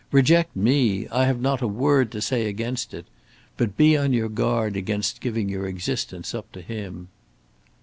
Reject me! I have not a word to say against it. But be on your guard against giving your existence up to him."